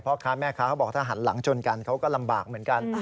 พ่อค้าแม่ค้าเขาบอกถ้าหันหลังชนกันเขาก็ลำบากเหมือนกัน